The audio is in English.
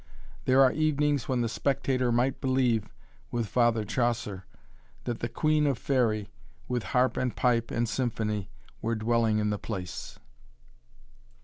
There are evenings when the spectator might believe, with Father Chaucer, that the Queen of Faery, With harp, and pipe, and symphony, Were dwelling in the place.